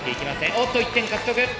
おっと１点獲得。